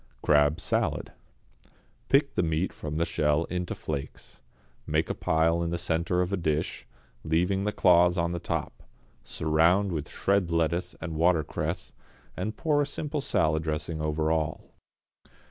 =Crab, Salad.= Pick the meat from the shell into flakes, make a pile in the centre of a dish, leaving the claws on the top; surround with shred lettuce and watercress, and pour a simple salad dressing over all.